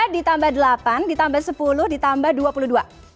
ditambah delapan ditambah sepuluh ditambah dua puluh dua